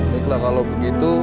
baiklah kalau begitu